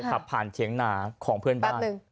ขับผ่านเถียงหนาของเพื่อนบ้าน